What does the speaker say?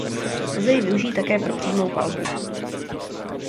Lze jí využít také pro přímou palbu.